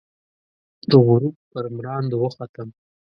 د غروب پر مراندو، وختم